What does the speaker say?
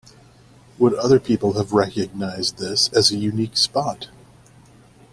Would other people have recognized this as a unique spot?